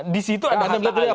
di situ ada hatta ali